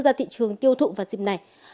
ra thị trường tiêu thụng vào dịp này